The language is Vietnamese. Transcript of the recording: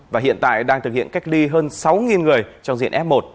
và hiện tại đang thực hiện cách ly hơn sáu người trong diện f một